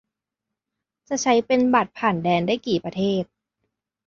จะใช้เป็น "บัตรผ่านแดน" ได้กี่ประเทศ